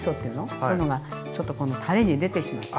そういうのがちょっとこのたれに出てしまって。